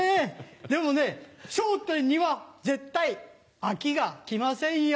でもね『笑点』には絶対アキが来ませんよ。